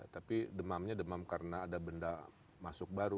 tapi demamnya demam karena ada benda masuk baru